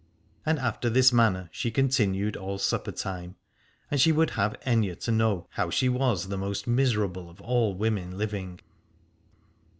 And after this manner she continued all supper time, and she would have Aithne to know how she was the most miserable of all women living.